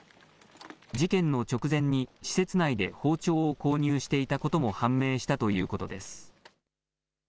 事件の直前に施設内で包丁を購入していたことも判明したということです。